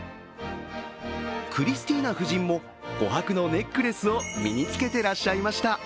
クリスティーナ夫人もこはくのネックレスを身につけてらっしゃいました。